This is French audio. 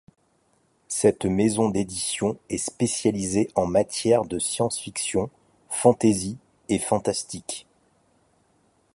Cette maison d'édition est spécialisée en matière de science-fiction, fantasy et fantastique.